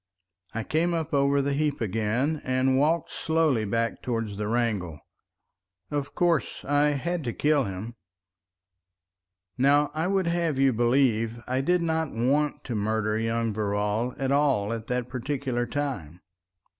I came up over the heap again, and walked slowly back towards the wrangle. Of course I had to kill him. ... Now I would have you believe I did not want to murder young Verrall at all at that particular time.